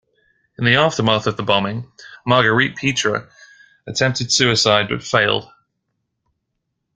In the aftermath of the bombing, Marguerite Pitre attempted suicide but failed.